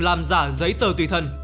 làm giả giấy tờ tùy thân